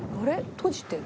閉じてる」